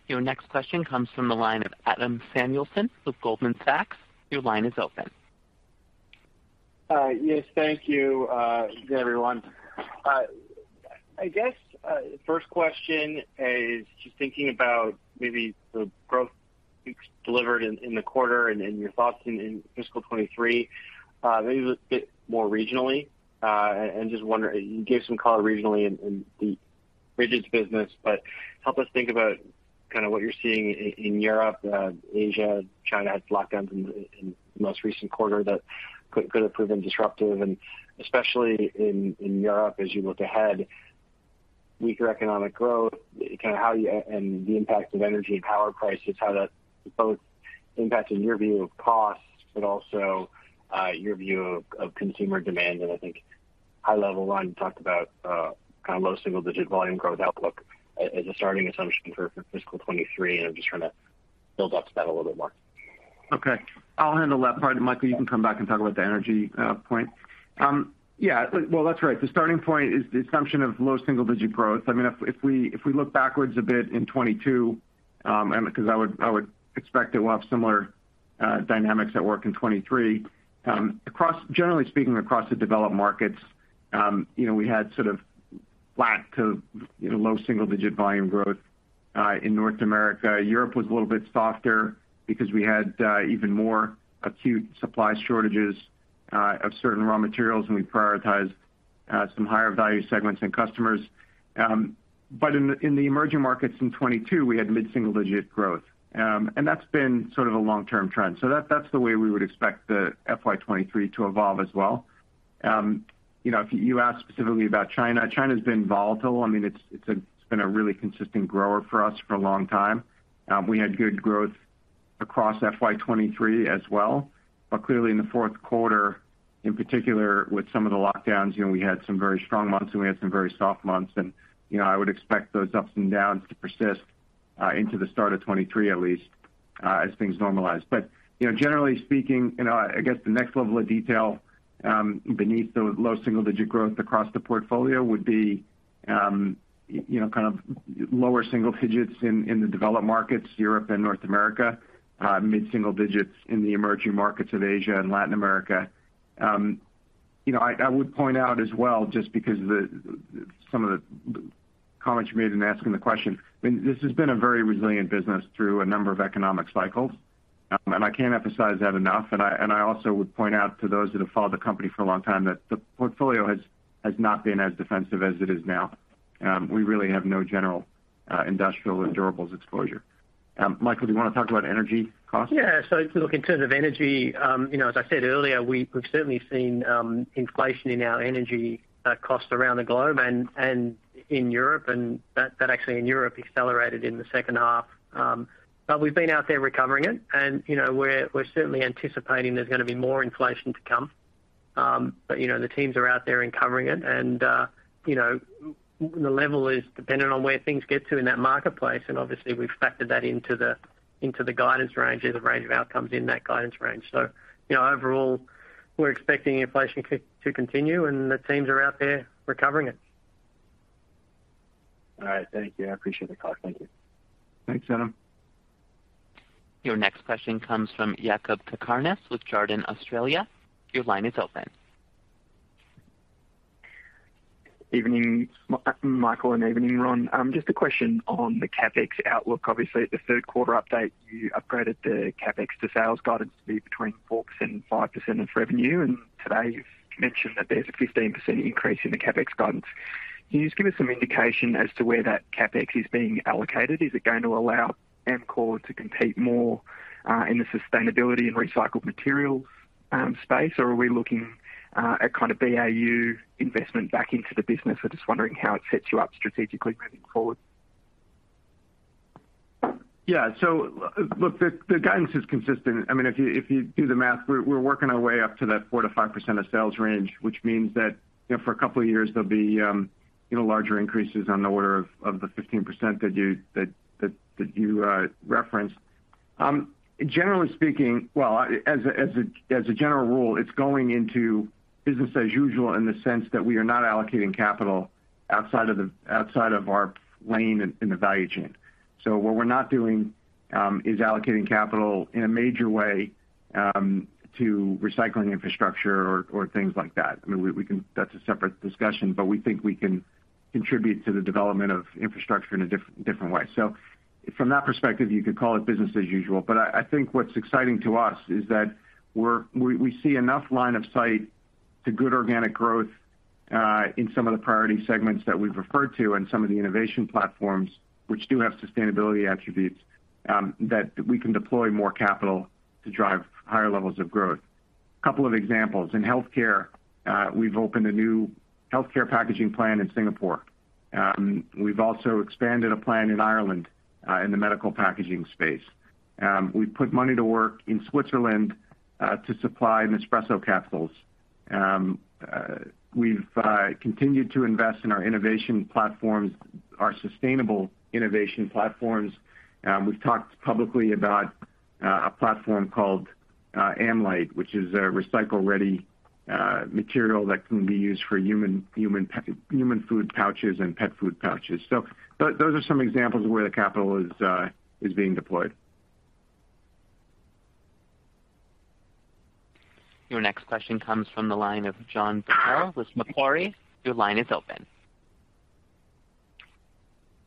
Your next question comes from the line of Adam Samuelson with Goldman Sachs. Your line is open. Yes, thank you, everyone. I guess first question is just thinking about maybe the growth delivered in the quarter and your thoughts in fiscal 2023, maybe a bit more regionally. Just, you gave some color regionally in the rigid business, but help us think about kind of what you're seeing in Europe, Asia. China had lockdowns in the most recent quarter that could have proven disruptive, and especially in Europe as you look ahead, weaker economic growth, kind of, and the impact of energy and power prices, how that both impacts in your view of costs, but also your view of consumer demand. I think high level, Ron, you talked about kind of low single-digit volume growth outlook as a starting assumption for fiscal 2023, and I'm just trying to build up to that a little bit more. Okay, I'll handle that part, and Michael, you can come back and talk about the energy point. Yeah. Well, that's right. The starting point is the assumption of low single-digit growth. I mean, if we look backwards a bit in 2022, and because I would expect that we'll have similar dynamics at work in 2023. Generally speaking, across the developed markets, you know, we had sort of flat to, you know, low single-digit volume growth in North America. Europe was a little bit softer because we had even more acute supply shortages of certain raw materials, and we prioritized some higher value segments and customers. In the emerging markets in 2022, we had mid-single-digit growth. That's been sort of a long-term trend. That's the way we would expect the FY 2023 to evolve as well. You know, if you asked specifically about China's been volatile. I mean, it's been a really consistent grower for us for a long time. We had good growth across FY 2023 as well. But clearly in the fourth quarter, in particular, with some of the lockdowns, you know, we had some very strong months, and we had some very soft months. You know, I would expect those ups and downs to persist into the start of 2023 at least, as things normalize. You know, generally speaking, you know, I guess the next level of detail beneath the low single-digit growth across the portfolio would be, you know, kind of lower single digits in the developed markets, Europe and North America, mid-single digits in the emerging markets of Asia and Latin America. You know, I would point out as well, just because some of the comments you made in asking the question, I mean, this has been a very resilient business through a number of economic cycles, and I can't emphasize that enough. I also would point out to those that have followed the company for a long time that the portfolio has not been as defensive as it is now. We really have no general industrial or durables exposure. Michael, do you wanna talk about energy costs? Yeah. Look, in terms of energy, you know, as I said earlier, we've certainly seen inflation in our energy costs around the globe and in Europe, and that actually in Europe accelerated in the second half. We've been out there recovering it. You know, we're certainly anticipating there's gonna be more inflation to come. You know, the teams are out there and covering it. You know, the level is dependent on where things get to in that marketplace, and obviously, we've factored that into the guidance range or the range of outcomes in that guidance range. You know, overall, we're expecting inflation to continue and the teams are out there recovering it. All right. Thank you. I appreciate the call. Thank you. Thanks, Adam. Your next question comes from Jakob Cakarnis with Jarden Australia. Your line is open. Evening, Michael, and evening, Ron. Just a question on the CapEx outlook. Obviously, at the third quarter update, you upgraded the CapEx to sales guidance to be between 4% and 5% of revenue, and today you've mentioned that there's a 15% increase in the CapEx guidance. Can you just give us some indication as to where that CapEx is being allocated? Is it going to allow Amcor to compete more in the sustainability and recycled materials space, or are we looking at kind of BAU investment back into the business? I'm just wondering how it sets you up strategically moving forward. Yeah. Look, the guidance is consistent. I mean, if you do the math, we're working our way up to that 4%-5% of sales range, which means that, you know, for a couple of years, there'll be, you know, larger increases on the order of the 15% that you referenced. Generally speaking, well, as a general rule, it's going into business as usual in the sense that we are not allocating capital outside of our lane in the value chain. What we're not doing is allocating capital in a major way to recycling infrastructure or things like that. I mean, we can, that's a separate discussion, but we think we can contribute to the development of infrastructure in a different way. From that perspective, you could call it business as usual. I think what's exciting to us is that we see enough line of sight to good organic growth, in some of the priority segments that we've referred to and some of the innovation platforms which do have sustainability attributes, that we can deploy more capital to drive higher levels of growth. A couple of examples. In healthcare, we've opened a new healthcare packaging plant in Singapore. We've also expanded a plant in Ireland, in the medical packaging space. We've put money to work in Switzerland, to supply Nespresso capsules. We've continued to invest in our innovation platforms, our sustainable innovation platforms. We've talked publicly about a platform called AmLite, which is a recycle-ready material that can be used for human food pouches and pet food pouches. Those are some examples of where the capital is being deployed. Your next question comes from the line of John Purtell with Macquarie. Your line is open.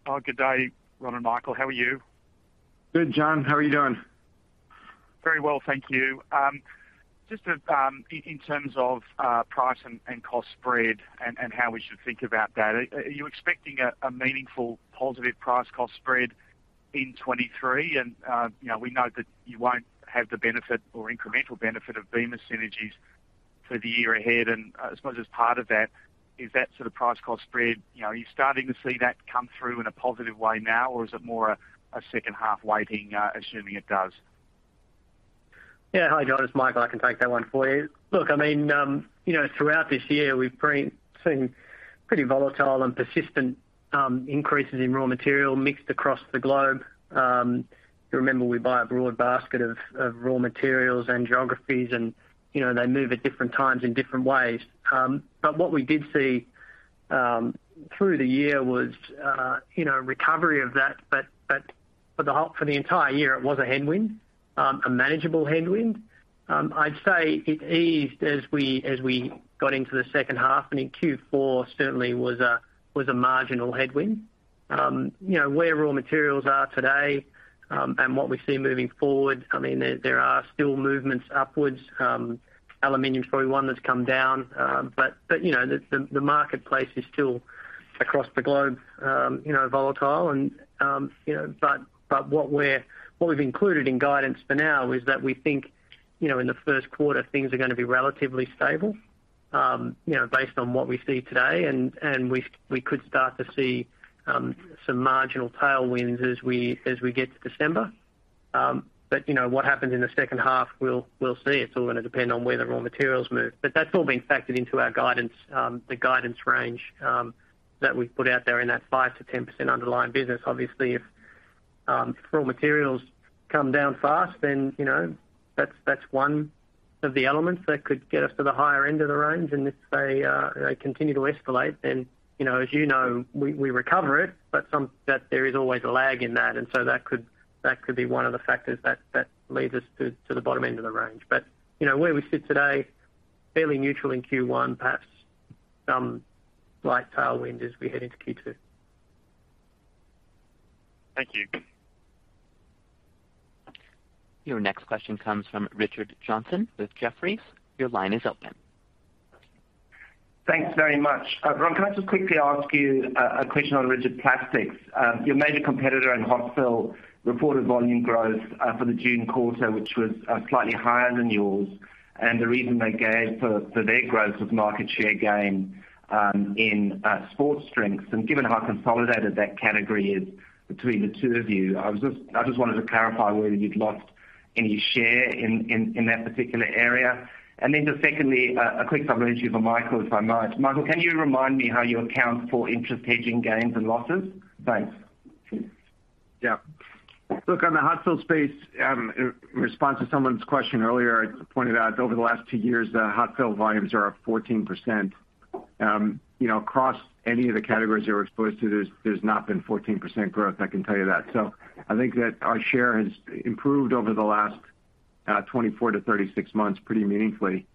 Oh, good day, Ron and Michael, how are you? Good, John, how are you doing? Very well, thank you. Just in terms of price and cost spread and how we should think about that. Are you expecting a meaningful positive price-cost spread in 2023? You know, we know that you won't have the benefit or incremental benefit of Bemis synergies for the year ahead. I suppose as part of that, is that sort of price-cost spread, you know, are you starting to see that come through in a positive way now, or is it more a second-half weighting, assuming it does? Yeah. Hi, John, it's Michael. I can take that one for you. Look, I mean, you know, throughout this year, we've seen pretty volatile and persistent increases in raw material mix across the globe. You remember we buy a broad basket of raw materials and geographies and, you know, they move at different times in different ways. What we did see through the year was, you know, recovery of that. For the entire year, it was a headwind, a manageable headwind. I'd say it eased as we got into the second half, and in Q4 certainly was a marginal headwind. You know, where raw materials are today, and what we see moving forward, I mean, there are still movements upwards. Aluminum's probably one that's come down. You know, the marketplace is still across the globe volatile and. What we've included in guidance for now is that we think you know in the first quarter things are gonna be relatively stable you know based on what we see today and we could start to see some marginal tailwinds as we get to December. What happens in the second half we'll see. It's all gonna depend on where the raw materials move. That's all been factored into our guidance the guidance range that we've put out there in that 5%-10% underlying business. Obviously, if raw materials come down fast, then, you know, that's one of the elements that could get us to the higher end of the range. If they continue to escalate, then, you know, as you know, we recover it. There is always a lag in that. That could be one of the factors that leads us to the bottom end of the range. You know, where we sit today, fairly neutral in Q1, perhaps some slight tailwind as we head into Q2. Thank you. Your next question comes from Richard Johnson with Jefferies. Your line is open. Thanks very much. Ron, can I just quickly ask you a question on rigid plastics? Your major competitor in hot fill reported volume growth for the June quarter, which was slightly higher than yours. The reason they gave for their growth was market share gain in sports drinks. Given how consolidated that category is between the two of you, I just wanted to clarify whether you'd lost any share in that particular area. Then just secondly, a quick supplementary for Michael, if I might. Michael, can you remind me how you account for interest hedging gains and losses? Thanks. Yeah. Look, on the hot fill space, in response to someone's question earlier, I pointed out over the last two years, the hot fill volumes are up 14%. You know, across any of the categories you're exposed to, there's not been 14% growth, I can tell you that. I think that our share has improved over the last 24-36 months pretty meaningfully.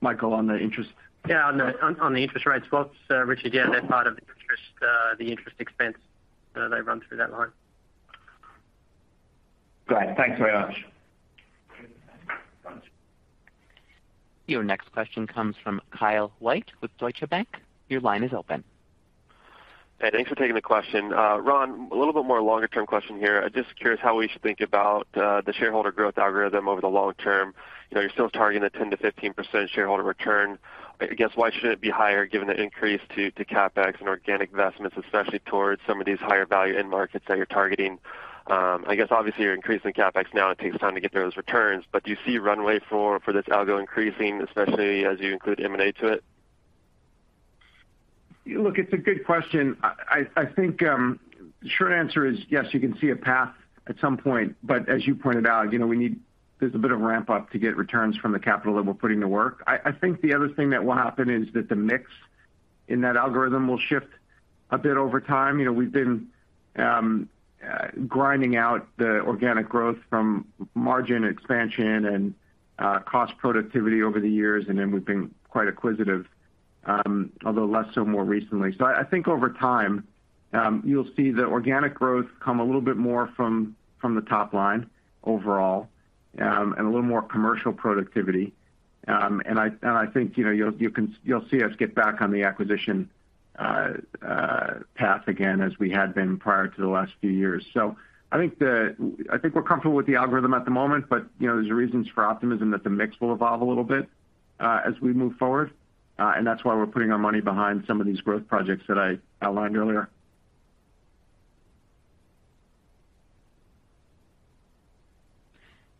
Michael, on the interest? Yeah. On the interest rate swaps, Richard. Yeah, they're part of the interest expense. They run through that line. Great. Thanks very much. Your next question comes from Kyle White with Deutsche Bank. Your line is open. Hey, thanks for taking the question. Ron, a little bit more longer-term question here. Just curious how we should think about the shareholder growth algorithm over the long term. You know, you're still targeting the 10%-15% shareholder return. I guess why shouldn't it be higher given the increase to CapEx and organic investments, especially towards some of these higher value end markets that you're targeting? I guess obviously you're increasing CapEx now, it takes time to get to those returns. Do you see runway for this algo increasing, especially as you include M&A to it? Look, it's a good question. I think the short answer is yes, you can see a path at some point, but as you pointed out, you know, we need. There's a bit of ramp up to get returns from the capital that we're putting to work. I think the other thing that will happen is that the mix in that algorithm will shift a bit over time. You know, we've been grinding out the organic growth from margin expansion and cost productivity over the years, and then we've been quite acquisitive, although less so more recently. I think over time, you'll see the organic growth come a little bit more from the top line overall, and a little more commercial productivity. I think, you know, you'll see us get back on the acquisition path again as we had been prior to the last few years. I think we're comfortable with the algorithm at the moment, but, you know, there's reasons for optimism that the mix will evolve a little bit as we move forward. That's why we're putting our money behind some of these growth projects that I outlined earlier.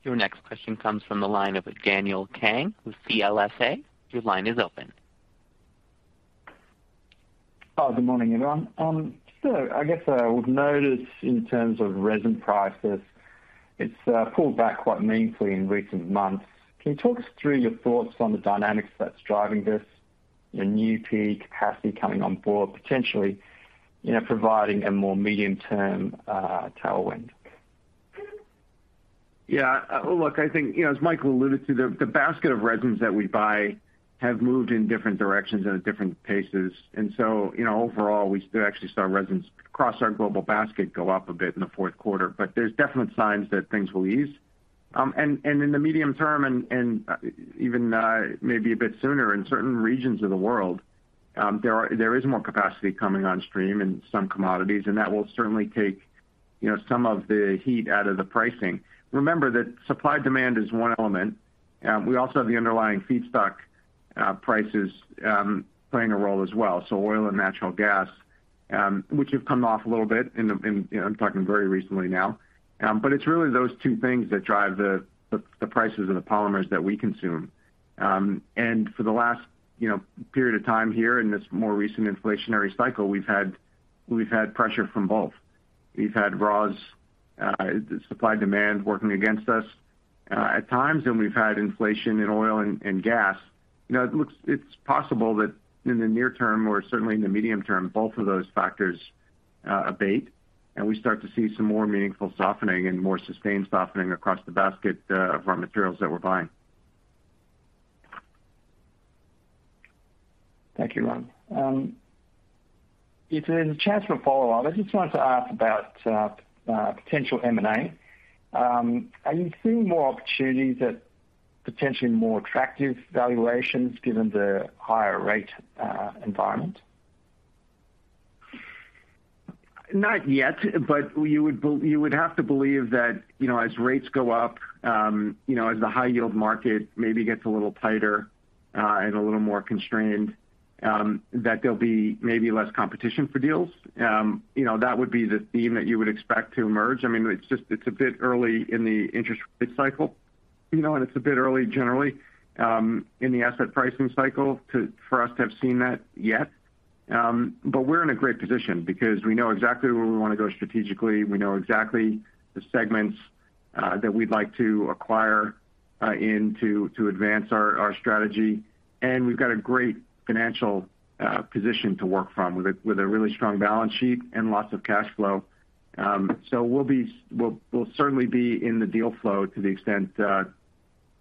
Your next question comes from the line of Daniel Kang with CLSA. Your line is open. Hi, good morning, everyone. I guess, we've noticed in terms of resin prices, it's pulled back quite meaningfully in recent months. Can you talk us through your thoughts on the dynamics that's driving this, the new peak capacity coming on board, potentially, you know, providing a more medium-term, tailwind? Yeah. Look, I think, you know, as Michael alluded to, the basket of resins that we buy have moved in different directions and at different paces. You know, overall, we actually saw resins across our global basket go up a bit in the fourth quarter. There's definite signs that things will ease. In the medium term and even maybe a bit sooner in certain regions of the world, there is more capacity coming on stream in some commodities, and that will certainly take, you know, some of the heat out of the pricing. Remember that supply-demand is one element. We also have the underlying feedstock prices playing a role as well. Oil and natural gas, which have come off a little bit. I'm talking very recently now. It's really those two things that drive the prices of the polymers that we consume. For the last, you know, period of time here in this more recent inflationary cycle, we've had pressure from both. We've had raws supply demand working against us at times, and we've had inflation in oil and gas. You know, it's possible that in the near term, or certainly in the medium term, both of those factors abate, and we start to see some more meaningful softening and more sustained softening across the basket of raw materials that we're buying. Thank you, Ron. If there's a chance for follow-up, I just wanted to ask about potential M&A. Are you seeing more opportunities at potentially more attractive valuations given the higher rate environment? Not yet. You would have to believe that, you know, as rates go up, you know, as the high yield market maybe gets a little tighter, and a little more constrained, that there'll be maybe less competition for deals. You know, that would be the theme that you would expect to emerge. I mean, it's just a bit early in the interest rate cycle, you know, and it's a bit early generally in the asset pricing cycle for us to have seen that yet. We're in a great position because we know exactly where we wanna go strategically. We know exactly the segments that we'd like to acquire into to advance our strategy. We've got a great financial position to work from with a really strong balance sheet and lots of cash flow. We'll certainly be in the deal flow to the extent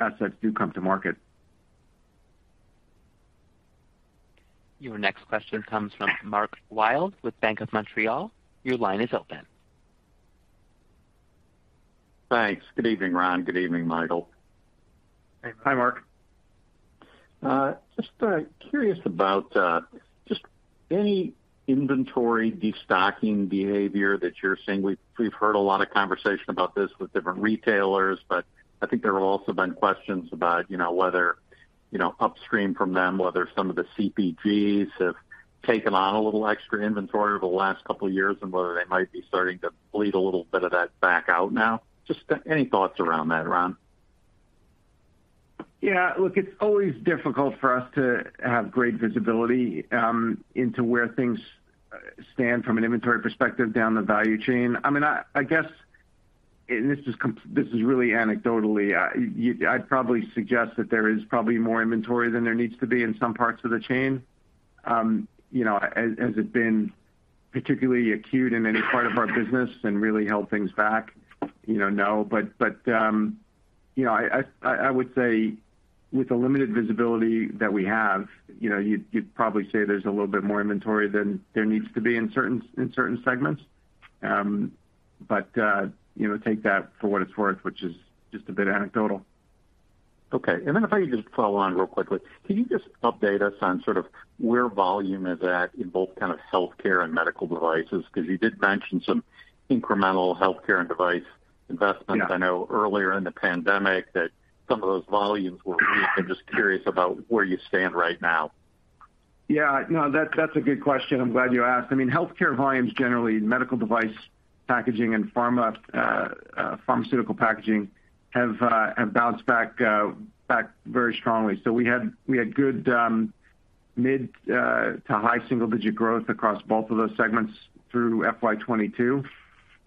assets do come to market. Your next question comes from Mark Wilde with Bank of Montreal. Your line is open. Thanks. Good evening, Ron. Good evening, Michael. Hi, Mark. Just curious about just any inventory destocking behavior that you're seeing. We've heard a lot of conversation about this with different retailers, but I think there have also been questions about, you know, whether, you know, upstream from them, whether some of the CPGs have taken on a little extra inventory over the last couple of years and whether they might be starting to bleed a little bit of that back out now. Just any thoughts around that, Ron? Yeah. Look, it's always difficult for us to have great visibility into where things stand from an inventory perspective down the value chain. I mean, I guess, and this is really anecdotally, I'd probably suggest that there is probably more inventory than there needs to be in some parts of the chain. You know, has it been particularly acute in any part of our business and really held things back? You know, no. You know, I would say with the limited visibility that we have, you know, you'd probably say there's a little bit more inventory than there needs to be in certain segments. You know, take that for what it's worth, which is just a bit anecdotal. Okay. If I can just follow on real quickly. Can you just update us on sort of where volume is at in both kind of healthcare and medical devices? Because you did mention some incremental healthcare and device investments. I know earlier in the pandemic that some of those volumes were weak. I'm just curious about where you stand right now. Yeah. No, that's a good question. I'm glad you asked. I mean, healthcare volumes, generally medical device packaging and pharma, pharmaceutical packaging have bounced back very strongly. We had good mid- to high-single-digit growth across both of those segments through FY 2022.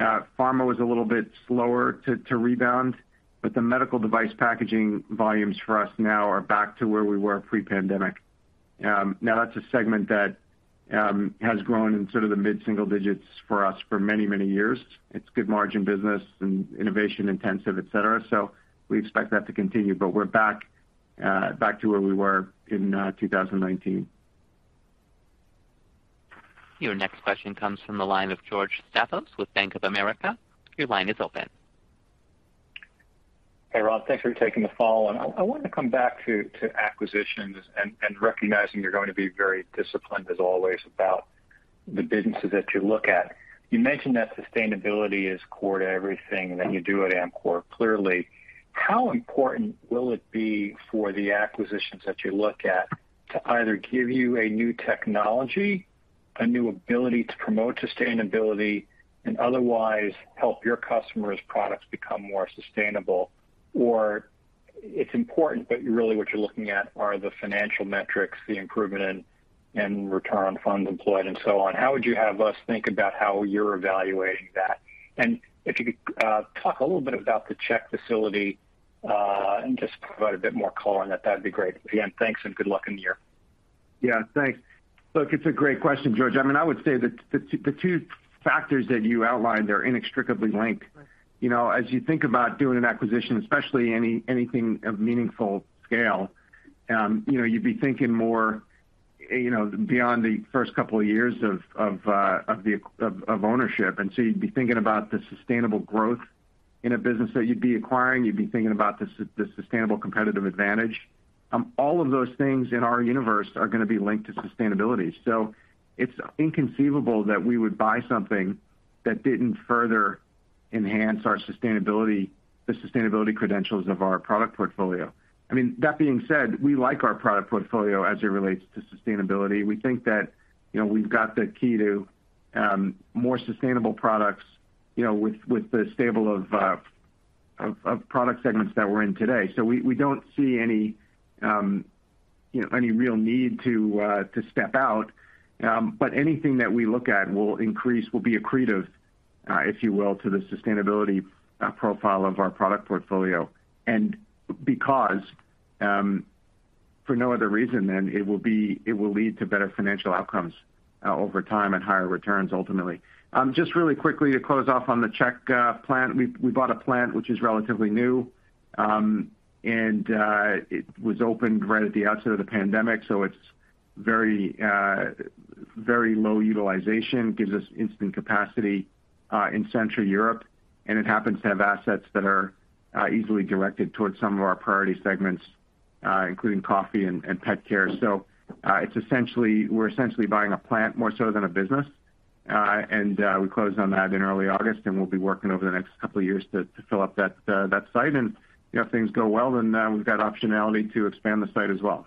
Pharma was a little bit slower to rebound, but the medical device packaging volumes for us now are back to where we were pre-pandemic. Now that's a segment that has grown in sort of the mid-single-digits for us for many, many years. It's good margin business and innovation intensive, et cetera. We expect that to continue. We're back to where we were in 2019. Your next question comes from the line of George Staphos with Bank of America. Your line is open. Hey, Ron, thanks for taking the call. I wanted to come back to acquisitions and recognizing you're going to be very disciplined as always about the businesses that you look at. You mentioned that sustainability is core to everything that you do at Amcor, clearly. How important will it be for the acquisitions that you look at to either give you a new technology, a new ability to promote sustainability, and otherwise help your customers' products become more sustainable? Or it's important, but really what you're looking at are the financial metrics, the improvement in return on funds employed and so on. How would you have us think about how you're evaluating that? If you could talk a little bit about the Czech facility and just provide a bit more color on that'd be great. Again, thanks and good luck in the year. Yeah, thanks. Look, it's a great question, George. I mean, I would say that the two factors that you outlined, they're inextricably linked. You know, as you think about doing an acquisition, especially anything of meaningful scale, you know, you'd be thinking more, you know, beyond the first couple of years of ownership. You'd be thinking about the sustainable growth in a business that you'd be acquiring. You'd be thinking about the sustainable competitive advantage. All of those things in our universe are gonna be linked to sustainability. It's inconceivable that we would buy something that didn't further enhance our sustainability, the sustainability credentials of our product portfolio. I mean, that being said, we like our product portfolio as it relates to sustainability. We think that, you know, we've got the key to more sustainable products, you know, with the stable of product segments that we're in today. We don't see any real need to step out. But anything that we look at will be accretive, if you will, to the sustainability profile of our product portfolio. Because for no other reason than it will lead to better financial outcomes over time and higher returns ultimately. Just really quickly to close off on the Czech plant. We bought a plant which is relatively new. It was opened right at the outset of the pandemic, so it's very low utilization, gives us instant capacity in Central Europe, and it happens to have assets that are easily directed towards some of our priority segments, including coffee and pet care. We're essentially buying a plant more so than a business. We closed on that in early August, and we'll be working over the next couple of years to fill up that site. If things go well, we've got optionality to expand the site as well.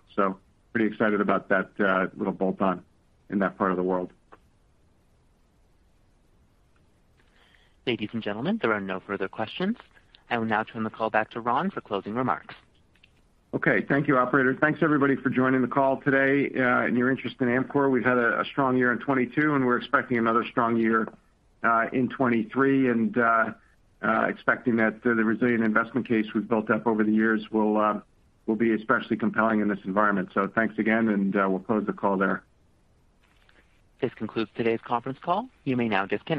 Pretty excited about that little bolt-on in that part of the world. Ladies and gentlemen, there are no further questions. I will now turn the call back to Ron for closing remarks. Okay. Thank you, operator. Thanks everybody for joining the call today, and your interest in Amcor. We've had a strong year in 2022, and we're expecting another strong year in 2023. Expecting that the resilient investment case we've built up over the years will be especially compelling in this environment. Thanks again, and we'll close the call there. This concludes today's conference call. You may now disconnect.